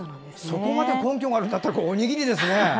そこまで根拠があったらおにぎりですね。